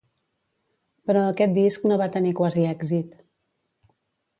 Però aquest disc no va tenir quasi èxit.